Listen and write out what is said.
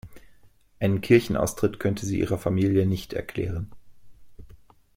Einen Kirchenaustritt könnte sie ihrer Familie nicht erklären.